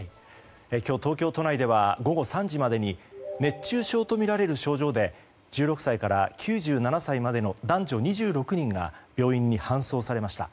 今日、東京都内では午後３時までに熱中症とみられる症状で１６歳から９７歳までの男女２６人が病院に搬送されました。